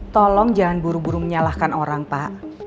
tolong jangan buru buru menyalahkan orang pak